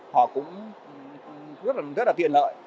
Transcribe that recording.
họ cũng rất là tiện lợi